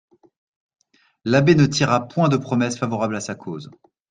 L'abbé ne tira point de promesses favorables à sa cause.